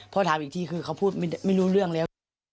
พอถามอีกทีคือเขาพูดไม่รู้เรื่องแล้ว